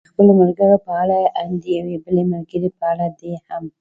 د خپلو ملګرو په اړه، ان د یوې بلې ملګرې په اړه دې هم.